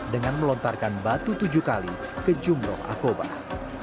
dengan melontarkan batu tujuh kali ke jumroh akobah